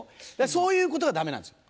そういうことがダメなんですよ。